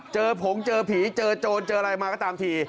ผงเจอผีเจอโจรเจออะไรมาก็ตามที